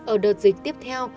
ở đợt dịch tiếp theo